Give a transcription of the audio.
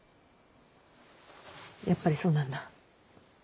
やっぱりそうなんだ。